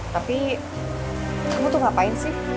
tapi aku tuh ngapain sih